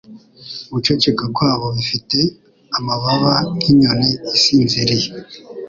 Guceceka kwabo bifite amababa nk'inyoni isinziriye